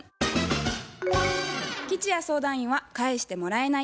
吉弥相談員は「返してもらえない」